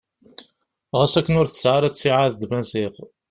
Ɣas akken ur tesɛi ara ttiɛad d Maziɣ.